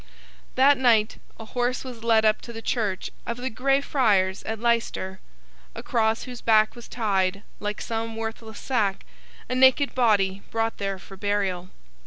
That night, a horse was led up to the church of the Grey Friars at Leicester; across whose back was tied, like some worthless sack, a naked body brought there for burial.